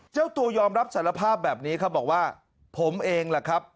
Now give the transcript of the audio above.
เจ้าตัวยอมรับสารภาพแบบนี้ครับบอกว่าผมเองแหละครับ